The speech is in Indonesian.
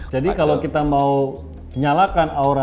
jadi kalau kita mau nyalakan aura